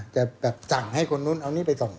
จะแบบสั่งให้คนนู้นเอานี่ไปส่อง